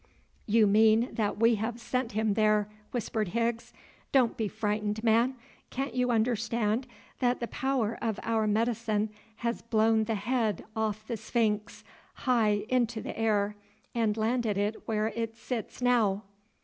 "You mean that we have sent him there," whispered Higgs. "Don't be frightened, man; can't you understand that the power of our medicine has blown the head off the sphinx high into the air, and landed it where it sits now?"